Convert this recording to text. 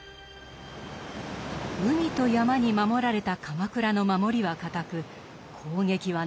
海と山に守られた鎌倉の守りは堅く攻撃は難航。